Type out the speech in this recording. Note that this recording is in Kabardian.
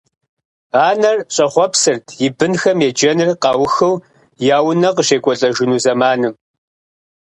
Анэр щӏэхъуэпсырт и бынхэм еджэныр къаухыу я унэ къыщекӏуэлӏэжыну зэманым.